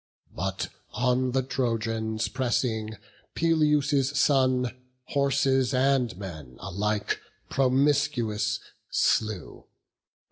But on the Trojans pressing, Peleus' son Horses and men alike, promiscuous, slew.